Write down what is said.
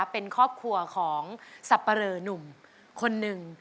เป็นครอบครัวของสับปะเรอหนุ่มคนหนึ่ง